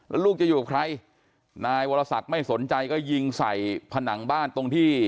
แล้วลูกจะอยู่กับใครนายวรศักดิ์ไม่สนใจก็ยิงใส่ผนังบ้านตรงที่